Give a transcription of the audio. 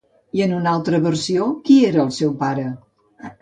I en una altra versió, qui era el seu pare?